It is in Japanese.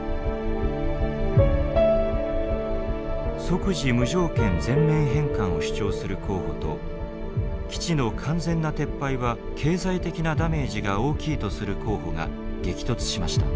即時無条件全面返還を主張する候補と基地の完全な撤廃は経済的なダメージが大きいとする候補が激突しました。